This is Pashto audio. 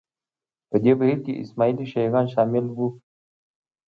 په دې بهیر کې اسماعیلي شیعه ګان شامل وو